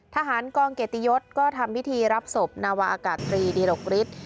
ทหารกองเกตยศก็ทำวิธีรับสบนาวอากาศตรีดิรกฤษ